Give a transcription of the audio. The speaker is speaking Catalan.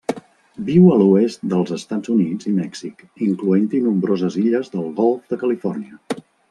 Viu a l'oest dels Estats Units i Mèxic, incloent-hi nombroses illes del golf de Califòrnia.